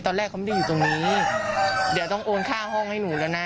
ตอนแรกเขาไม่ได้อยู่ตรงนี้เดี๋ยวต้องโอนค่าห้องให้หนูแล้วนะ